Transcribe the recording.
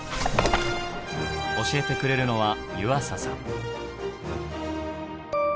教えてくれるのは湯浅さん。